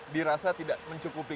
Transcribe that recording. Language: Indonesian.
dirasa tidak mencukupi